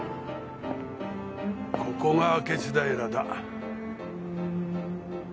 ここが明智平だ。